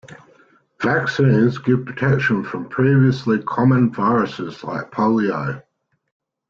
Vaccines give protection from previously common viruses like Polio.